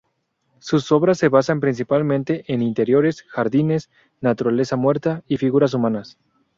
Sus obras se basan principalmente en interiores, jardines, naturaleza muerta y figuras humanas.